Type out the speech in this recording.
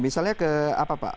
misalnya ke apa pak